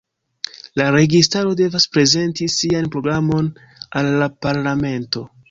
La registaro devas prezenti sian programon al la parlamento.